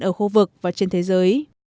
ở khu vực và trên thế giới